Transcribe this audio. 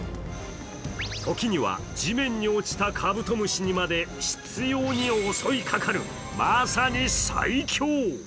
時には、地面に落ちたカブトムシにまで執ように襲いかかる、まさに最強。